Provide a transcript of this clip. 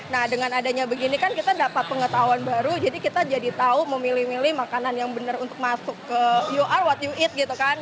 nah dengan adanya begini kan kita dapat pengetahuan baru jadi kita jadi tahu memilih milih makanan yang benar untuk masuk ke ur what you eat gitu kan